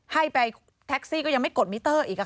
ให้ไปแท็กซี่ก็ยังไม่กดมิเตอร์อีก